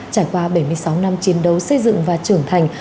trải qua bảy mươi sáu năm chiến đấu xây dựng và trưởng thành